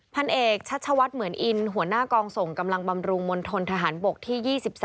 พันเอกชัชวัฒน์เหมือนอินหัวหน้ากองส่งกำลังบำรุงมณฑนทหารบกที่๒๓